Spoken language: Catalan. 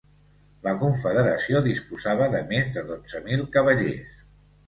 La confederació disposava de més de dotze mil cavallers.